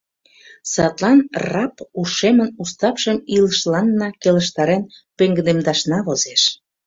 Садлан РАПП ушемын уставшым илышланна келыштарен пеҥгыдемдашна возеш.